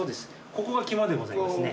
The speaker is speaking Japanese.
ここが肝でございますね。